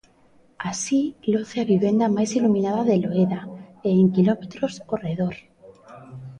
Así loce a vivenda máis iluminada de Loeda, e en quilómetros ao redor.